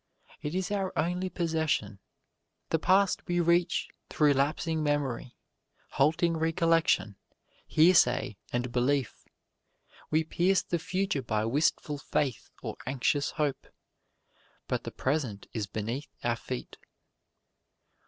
It is our only possession: the past we reach through lapsing memory, halting recollection, hearsay and belief; we pierce the future by wistful faith or anxious hope; but the present is beneath our feet.